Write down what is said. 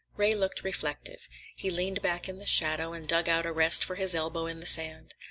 Ray looked reflective. He leaned back in the shadow and dug out a rest for his elbow in the sand.